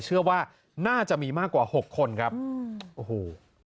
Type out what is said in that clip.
เชื่อว่าน่าจะมีมากกว่าหกคนครับโอ้โห